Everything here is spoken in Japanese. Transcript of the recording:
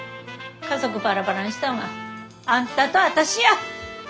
家族バラバラにしたんはあんたと私や！